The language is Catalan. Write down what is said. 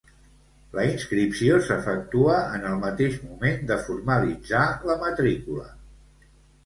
La inscripció s'efectua en el mateix moment de formalitzar la matrícula.